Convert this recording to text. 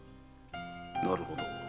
なるほど。